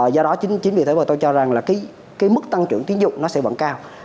do đó chính vì thế mà tôi cho rằng là cái mức tăng trưởng tiến dụng nó sẽ vẫn cao